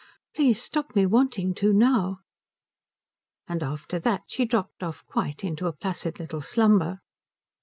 Please stop me wanting to now." And after that she dropped off quite, into a placid little slumber.